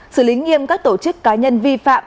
xử lý nghiêm các tổ chức cá nhân vi phạm